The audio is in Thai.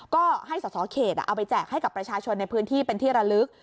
ก็ให้สอสอเขตเอาไปแจกให้กับประชาชนในพื้นที่เป็นที่ระลึก